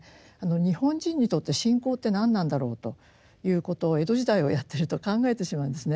日本人にとって信仰って何なんだろうということを江戸時代をやってると考えてしまうんですね。